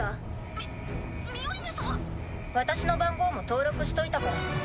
私の番号も登録しといたから。